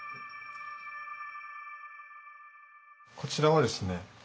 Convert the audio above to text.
こちらはですね